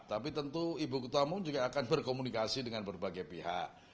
tapi tentu ibu ketua umum juga akan berkomunikasi dengan berbagai pihak